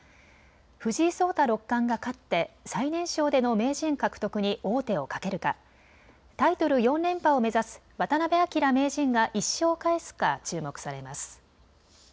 藤井聡太六冠が勝って最年少での名人獲得に王手をかけるか、タイトル４連覇を目指す渡辺明名人が１勝を返すか注目されます。